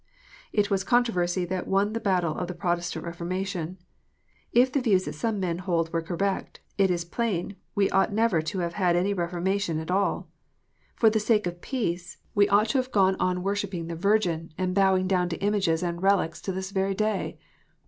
It was controversy that won the battle of Protestant Reforma tion. If the views that some men hold were correct, it is plain we never ought to have had any Reformation at all I For the sake of peace, we ought to have gone on worshipping the THE FALLIBILITY OF MINISTERS. 377 Virgin, and bowing down to images and relics to this very day